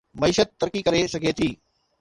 معيشت ترقي ڪري سگهي ٿي